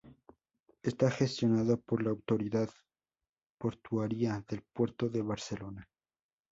Está gestionado por la autoridad portuaria del Puerto de Barcelona.